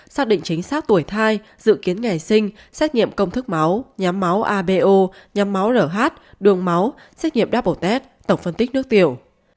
xác định chính xác tuổi thai dự kiến ngày sinh xét nghiệm công thức máu nhắm máu abo nhắm máu rh đường máu xét nghiệm double test tổng phân tích nước tiểu